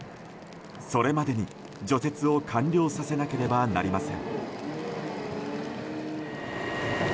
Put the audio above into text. それまでに除雪を完了させなければなりません。